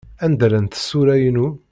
Anda llant tsura-inu?